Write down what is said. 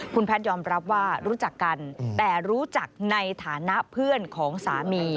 คุณแพทยอมรับว่ารู้จักกันแต่รู้จักในฐานะเพื่อนของสามี